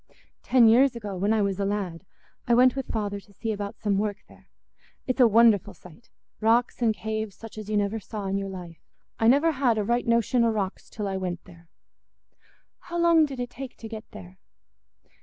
"Ten years ago, when I was a lad, I went with father to see about some work there. It's a wonderful sight—rocks and caves such as you never saw in your life. I never had a right notion o' rocks till I went there." "How long did it take to get there?"